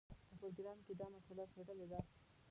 په پروګرام کې دا مسله څېړلې ده.